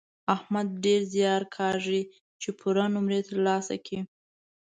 احمد ډېر زیار کاږي چې پوره نومرې تر لاسه کړي.